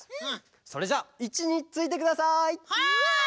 それじゃあいちについてください！